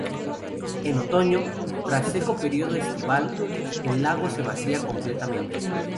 En otoño, tras el seco período estival, el lago se vacía completamente.